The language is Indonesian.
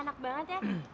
enak banget ya